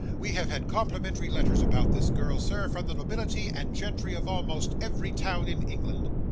We have had complimentary letters about this girl, sir, from the nobility and gentry of almost every town in England.